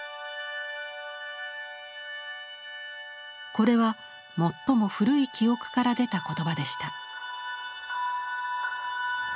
これは最も古い記憶から出た言葉でした。